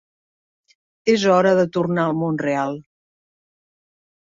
És hora de tornar al món real.